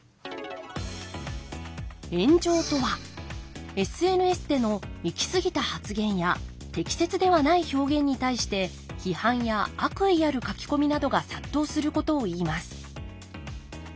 炎上とはＳＮＳでの行き過ぎた発言や適切ではない表現に対して批判や悪意ある書き込みなどが殺到することをいいます。